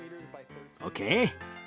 ＯＫ。